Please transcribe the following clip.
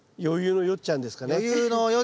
余裕のよっちゃんですね。